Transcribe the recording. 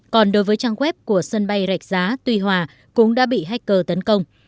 còn đối với trang web của sân bay rạch giá tuy hòa cũng đã bị hacker tấn công